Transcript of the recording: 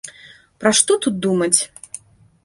Пра што тут думаць?